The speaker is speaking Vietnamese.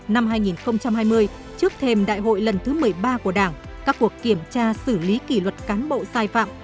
năm hai nghìn hai mươi trước thềm đại hội lần thứ một mươi ba của đảng các cuộc kiểm tra xử lý kỷ luật cán bộ sai phạm